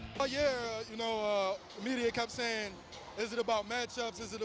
kepada media mereka berkata apakah ini tentang pertandingan atau tentang saya